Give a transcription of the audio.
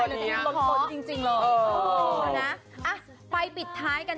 ไม่เชื่อไปฟังกันหน่อยค่ะ